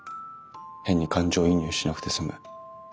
変に感情移入しなくて済む。